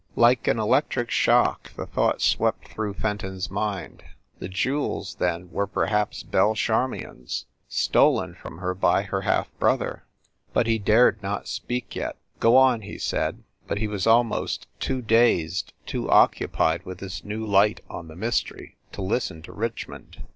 Like an electric shock the thought swept through Fenton s mind the jewels then were perhaps Belle Charmion s, stolen from her by her half brother. But he dared not speak yet. "Go on !" he said, but he was almost too dazed, too occupied with this new light on the mystery to listen to Richmond.